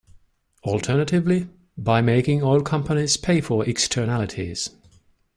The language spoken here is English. Alternatively, by making oil companies pay for externalities.